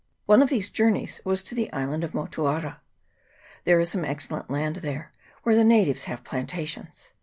One of these journeys was to the Island of Motuara. There is some excellent land there, where the natives have plantations.